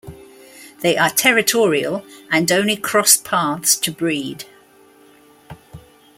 They are territorial, and only cross paths to breed.